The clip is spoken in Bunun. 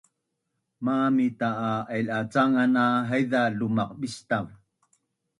Mamita’ a ailacangan na haiza lumaqbistav